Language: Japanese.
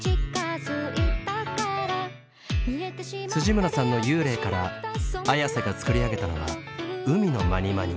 村さんの「ユーレイ」からＡｙａｓｅが作り上げたのは「海のまにまに」。